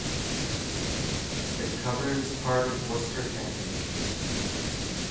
It covers part of Worcester County.